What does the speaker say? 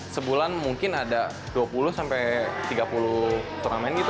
sebulan mungkin ada dua puluh tiga puluh turamen gitu